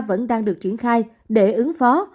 vẫn đang được triển khai để ứng phó